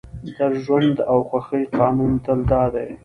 د ژوند او خوښۍ قانون تل دا دی